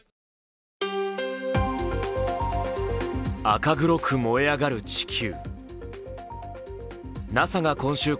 赤黒く燃え上がる地球。